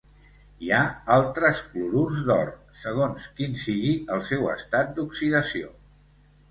Hi ha altres clorurs d'or segons quin sigui el seu estat d'oxidació.